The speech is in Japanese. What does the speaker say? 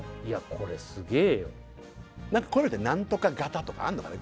これすげえよなんかこういうのってなんとか型とかあるのかね？